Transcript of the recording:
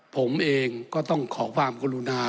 ผมเองก็ต้องขอความกรุณา